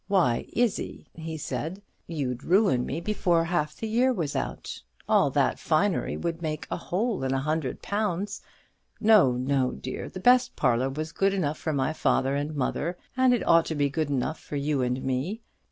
"Why, Izzie," he said, "you'd ruin me before the year was out. All that finery would make a hole in a hundred pounds. No, no, dear; the best parlour was good enough for my father and mother, and it ought to be good enough for you and me.